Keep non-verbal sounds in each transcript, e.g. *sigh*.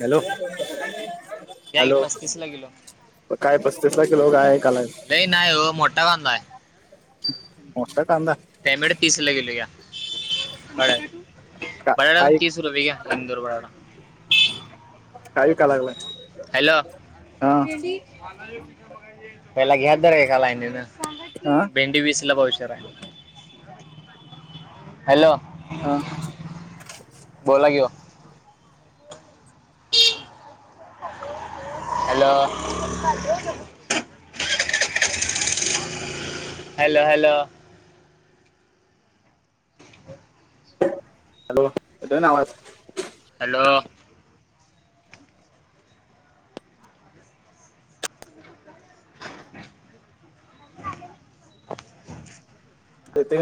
hello या की hello पस्तीसला किलो काय पस्तीस लाखे लोक आहे काला नाही नाही हो मोठा कांा आहे मोष्टा कदा टॅमेट पिसला गेलो या हळ का बडाड बण तीसूरवीघ इंदूर बडाड काही कालागलाय हॅलो पहिला घ्यात जरा एका लाईने ना हा भेंडी विसला पाशरा आहे हॅलो हा बो ला कि हॅलो हॅलो हॅलो *inaudible* हॅलो ना आवाज हॅलो तर ते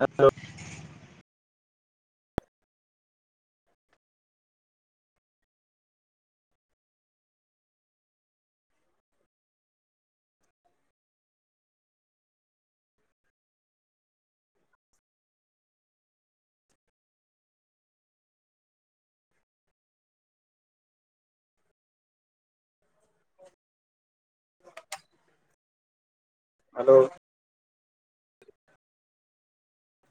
हॅलो *inaudible* हॅलो